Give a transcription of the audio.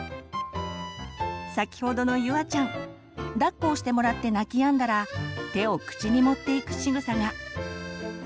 先ほどのゆあちゃんだっこをしてもらって泣きやんだら手を口に持っていくしぐさが。